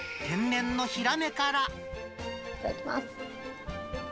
いただきます。